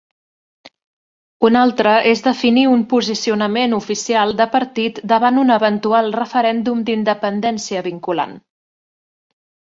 Un altre és definir un posicionament oficial de partit davant un eventual referèndum d'independència vinculant.